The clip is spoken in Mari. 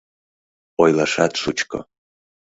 Ойлашат шучко.